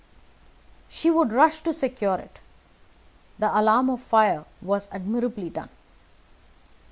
She would rush to secure it. The alarm of fire was admirably done.